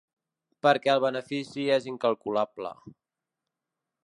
Perquè el benefici és incalculable.